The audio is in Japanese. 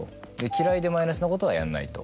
嫌いでマイナスなことはやらない。